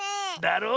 だろ？